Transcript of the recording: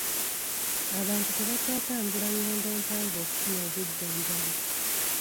Abantu tebakyatambula ngendo mpanvu okufuna obujjanjabi.